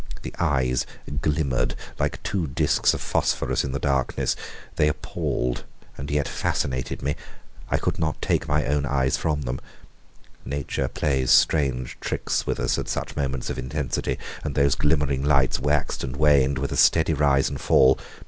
The eyes glimmered like two disks of phosphorus in the darkness. They appalled and yet fascinated me. I could not take my own eyes from them. Nature plays strange tricks with us at such moments of intensity, and those glimmering lights waxed and waned with a steady rise and fall.